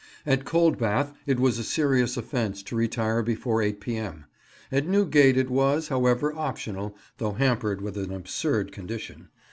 At Coldbath it was a serious offence to retire before 8 P.M. At Newgate it was, however, optional, though hampered with an absurd condition.